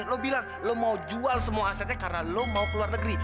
lo bilang lo mau jual semua asetnya karena lo mau ke luar negeri